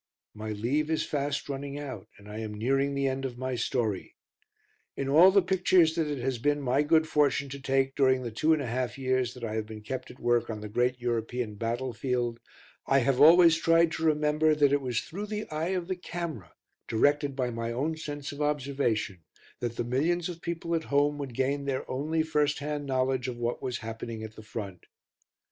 My leave is fast running out, and I am nearing the end of my story. In all the pictures that it has been my good fortune to take during the two and a half years that I have been kept at work on the great European battlefield, I have always tried to remember that it was through the eye of the camera, directed by my own sense of observation, that the millions of people at home would gain their only first hand knowledge of what was happening at the front.